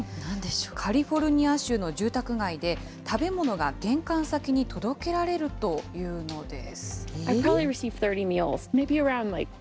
カリフォルニア州の住宅街で、食べ物が玄関先に届けられるというのです。